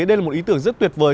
đây là một ý tưởng rất tuyệt vời